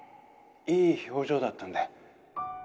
いい表情だったんで。